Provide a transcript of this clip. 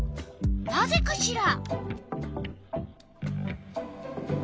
なぜかしら？